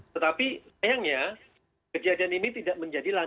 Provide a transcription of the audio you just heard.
tetapi sayangnya kejadian ini tidak menjadi landasan